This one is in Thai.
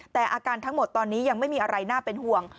แต่อาการทั้งหมดตอนนี้ยังไม่มีอะไรน่าเป็นห่วง